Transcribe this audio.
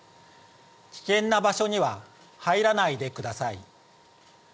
危険な場所には入らないでください。